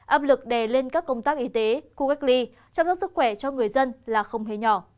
áp lực đè lên các công tác y tế khu cách ly chăm sóc sức khỏe cho người dân là không hề nhỏ